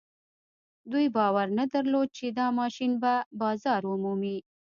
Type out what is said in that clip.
دوی باور نه درلود چې دا ماشين به بازار ومومي.